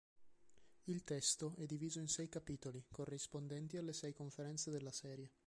Il testo è diviso in sei capitoli, corrispondenti alle sei conferenze della serie.